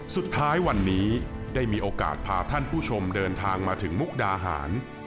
สุดท้ายวันนี้ได้มีโอกาสพาท่านผู้ชมเดินทางมาถึงมุกดาหาร